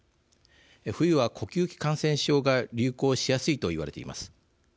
冬は呼吸器感染症が流行しやすいと言われています。